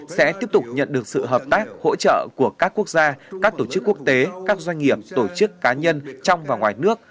sẽ tiếp tục nhận được sự hợp tác hỗ trợ của các quốc gia các tổ chức quốc tế các doanh nghiệp tổ chức cá nhân trong và ngoài nước